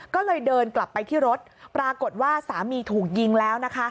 ก็เลยเดินกลับไปที่รถปรากฏว่าสามีถูกยิงแล้วนะคะ